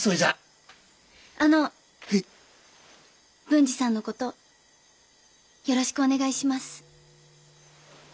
文治さんの事よろしくお願いします。